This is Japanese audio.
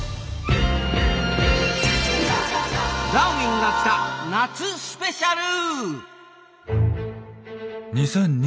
「ダーウィンが来た！」夏スペシャル！